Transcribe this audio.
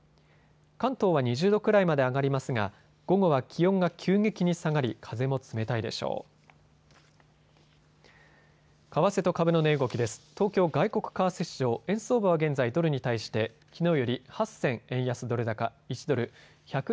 関東は２０度くらいまで上がりますが午後は気温が急激に下がり風も冷たいでしょう。